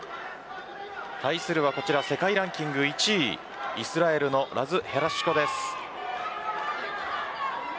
対するはこちら世界ランキング１位イスラエルのラズ・ヘルシュコです。